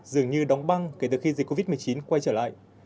dường như đóng băng kể từ khi dịch covid một mươi chín quay trở lại